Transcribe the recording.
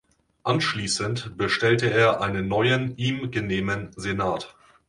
Anschließend bestellte er einen neuen ihm genehmen Senat.